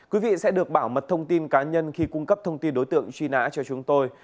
quý vị sẽ được bảo mật thông tin cá nhân khi cung cấp thông tin đối tượng truy nã cho chúng tôi